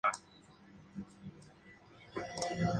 Estas bacterias pueden causar meningitis, sepsis y neumonía.